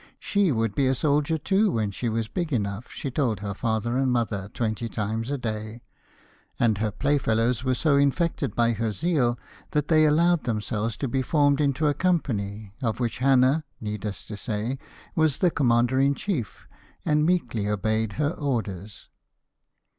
'She would be a soldier too when she was big enough,' she told her father and mother twenty times a day, and her playfellows were so infected by her zeal, that they allowed themselves to be formed into a company, of which Hannah, needless to say, was the commander in chief, and meekly obeyed her orders.